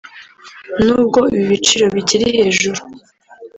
n’ubwo ubu ibiciro bikiri hejuru